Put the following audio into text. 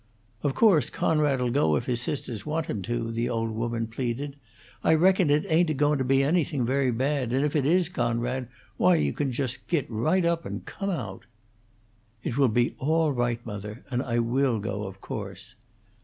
"Of course, Coonrod 'll go, if his sisters wants him to," the old woman pleaded. "I reckon it ain't agoun' to be anything very bad; and if it is, Coonrod, why you can just git right up and come out." "It will be all right, mother. And I will go, of course."